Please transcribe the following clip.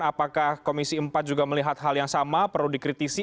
apakah komisi empat juga melihat hal yang sama perlu dikritisi